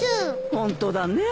ホントだねえ。